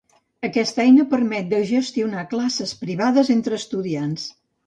Aquesta eina permet de gestionar classes privades entre estudiants.